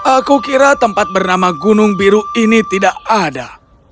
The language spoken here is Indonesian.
aku kira tempat bernama gunung biru ini tidak ada